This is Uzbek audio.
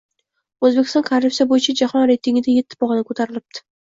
Oʻzbekiston korrupsiya boʻyicha jahon reytingida etti pogʻona koʻtarilibdi.